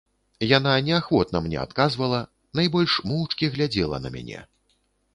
Яна неахвотна мне адказвала, найбольш моўчкі глядзела на мяне.